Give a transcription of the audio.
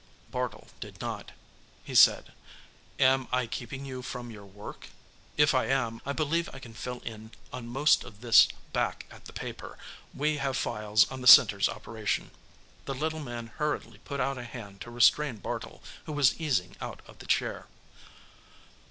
Bartle did not. He said, "Am I keeping you from your work? If I am, I believe I can fill in on most of this back at the paper; we have files on the Center's operation." The little man hurriedly put out a hand to restrain Bartle who was easing out of the chair.